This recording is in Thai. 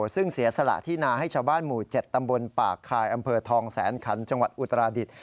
ซึ่งเสียสละที่นาให้ชาวบ้านหมู่๗ตำบลปากคายอำเภอทองแสนขันจังหวัดอุตราดิษฐ